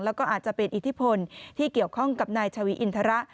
แล้วก็อาจจะเป็นอิทธิพลที่เกี่ยวข้องกับนายชวีอินทระ